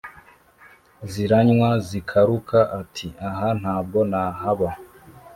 zirannya, ziraruka, ati aha ntabwo nahaba